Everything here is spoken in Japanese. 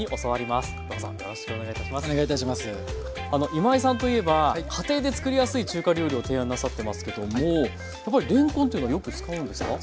今井さんといえば家庭で作りやすい中華料理を提案なさってますけどもやっぱりれんこんというのはよく使うんですか？